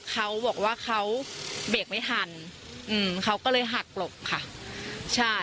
เขาบอกว่าเขาเบรกไม่ทันอืมเขาก็เลยหักหลบค่ะใช่